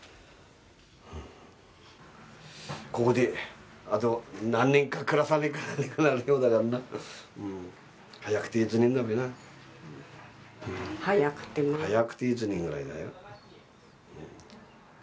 ここであと何年か暮らさねばなんねくなるようだからな早くて１年だべな早くてな早くて１年ぐらいだよ